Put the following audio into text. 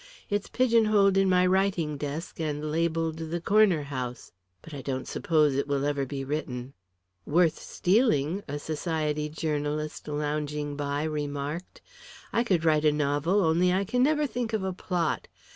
It's pigeonholed in my writing desk, and labelled 'The Corner House.' But I don't suppose it will ever be written." "Worth stealing," a Society journalist lounging by remarked. "I could write a novel, only I can never think of a plot.